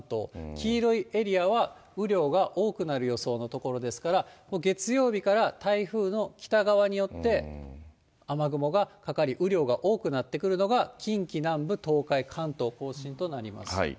黄色いエリアは雨量が多くなる予想の所ですから、月曜日から台風の北側によって雨雲がかかり、雨量が多くなってくるのが近畿南部、東海、関東甲信となります。